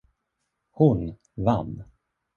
Hon vann.